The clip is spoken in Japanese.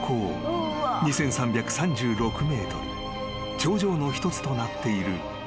［頂上の一つとなっている